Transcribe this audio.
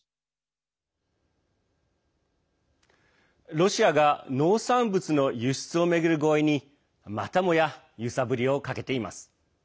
ロシアが農産物の輸出を巡る合意にまたもや揺さぶりをかけています。